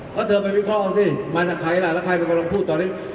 เพราะเธอไปวิเคราะห์สิมาจากใครล่ะแล้วใครเป็นคนลองพูดตอนนี้